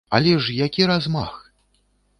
Але ж які размах!